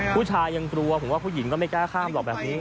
ผู้ชายยังกลัวผมว่าผู้หญิงก็ไม่กล้าข้ามหรอกแบบนี้